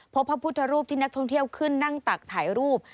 พระพุทธรูปที่นักท่องเที่ยวขึ้นนั่งตักถ่ายรูป